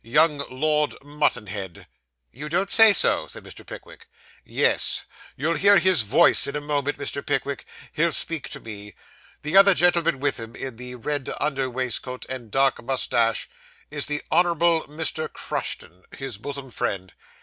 Young Lord Mutanhed.' 'You don't say so?' said Mr. Pickwick. 'Yes. You'll hear his voice in a moment, Mr. Pickwick. He'll speak to me. The other gentleman with him, in the red under waistcoat and dark moustache, is the Honourable Mr. Crushton, his bosom friend.